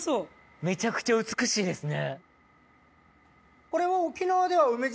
めちゃくちゃ美しいですね。